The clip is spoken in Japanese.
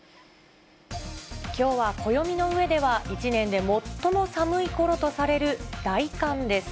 きょうは暦の上では一年で最も寒いころとされる大寒です。